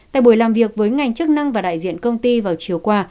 tại buổi làm việc với ngành chức năng và đại diện công ty vào chiều qua